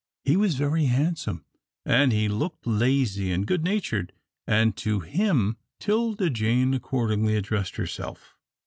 He was very handsome, and he looked lazy and good natured, and to him 'Tilda Jane accordingly addressed herself.